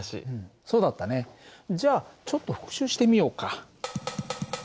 そうだったねじゃあちょっと復習してみようか。